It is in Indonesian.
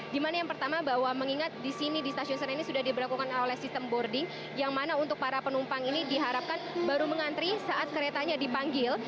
dimana yang pertama bahwa mengingat di sini di stasiun senen ini sudah diberlakukan oleh sistem boarding yang mana untuk para penumpang ini diharapkan baru mengantri saat keretanya dipanggil